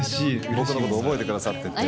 僕のこと覚えてくださってて。